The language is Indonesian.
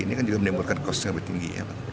ini kan juga menimbulkan kos yang lebih tinggi ya pak